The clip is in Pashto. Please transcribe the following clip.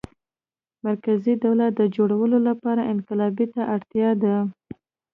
مرکزي دولت د جوړولو لپاره انقلاب ته اړتیا ده.